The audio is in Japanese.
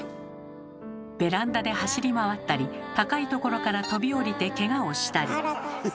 ベランダで走り回ったり高いところから飛び降りてケガをしたり。